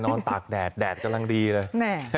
ตากแดดแดดกำลังดีเลย